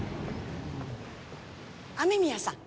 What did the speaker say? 雨宮さん。